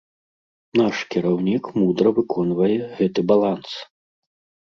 Наш кіраўнік мудра выконвае гэты баланс.